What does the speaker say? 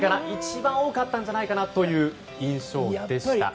一番多かったんじゃないかという印象でした。